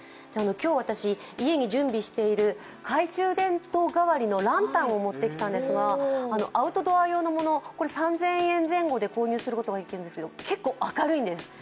今日、私、家に準備している懐中電灯代わりのランタンを持ってきたんですがアウトドア用のもの、３０００円前後で購入することができるんですけど結構明るいんです。